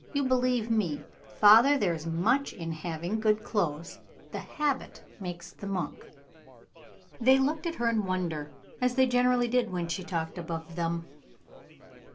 You believe me, father, there is much in having good clothes the habit makes the monk." They looked at her in wonder, as they generally did when she talked above them.